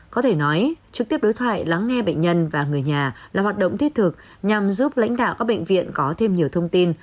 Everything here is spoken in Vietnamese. có thể nói trực tiếp đối thoại lắng nghe bệnh nhân và người nhà là hoạt động thiết thực nhằm giúp lãnh đạo các bệnh viện có thêm nhiều thông tin